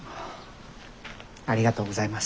ありがとうございます。